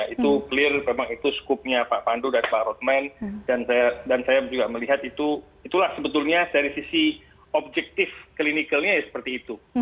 itu clear memang itu skupnya pak pandu dan pak rotman dan saya juga melihat itulah sebetulnya dari sisi objektif clinicalnya ya seperti itu